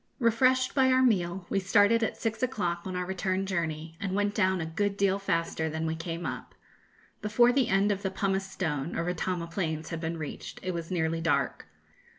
Refreshed by our meal, we started at six o'clock on our return journey, and went down a good deal faster than we came up. Before the end of the pumice stone or Retama plains had been reached, it was nearly dark.